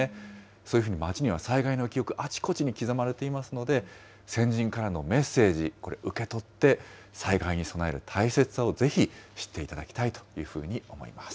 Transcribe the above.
そういうふうに町には災害の記憶、あちこちに刻まれていますので、先人からのメッセージ、これ、受け取って、災害に備える大切さをぜひ知っていただきたいというふうに思います。